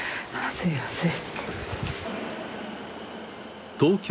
すいません